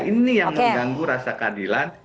ini yang mengganggu rasa keadilan